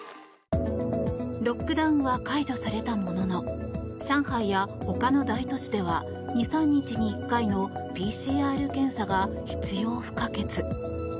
ロックダウンは解除されたものの上海や他の大都市では２３日に１回のＰＣＲ検査が必要不可欠。